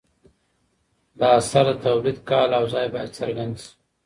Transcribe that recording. د اثر د تولید کال او ځای باید څرګند شي.